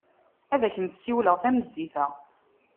Ad ak-n-siwleɣ tameddit-a.